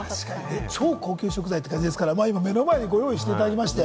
超高級食材という感じですから目の前にご用意していただきまして。